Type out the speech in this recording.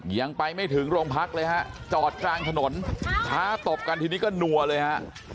ยังไปไม่ถึงโรงพักเลยฮะจอดกลางถนนท้าตบกันทีนี้ก็นัวเลยฮะ